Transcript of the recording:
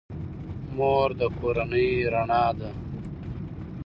مور د کورنۍ رڼا ده.